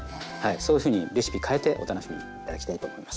そういうふうにレシピ変えてお楽しみ頂きたいと思います。